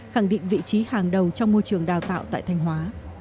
khẳng định vị trí hàng đầu trong môi trường đào tạo tại thanh hóa